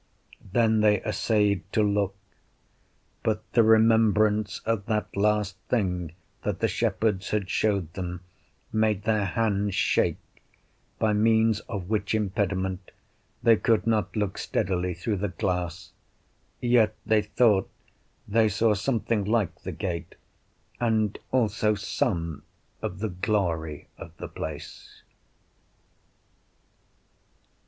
Then they essayed to look, but the remembrance of that last thing that the shepherds had showed them made their hands shake, by means of which impediment they could not look steadily through the glass; yet they thought they saw something like the gate, and also some of the glory of the place.